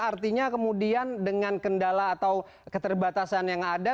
artinya kemudian dengan kendala atau keterbatasan yang ada